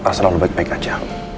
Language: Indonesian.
rasalah lo baik baik aja